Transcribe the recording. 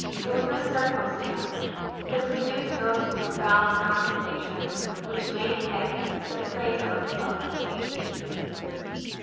It was this circumstance that produced those profound contemplations which made him the Plato of his age.